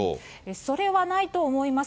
それはないと思います。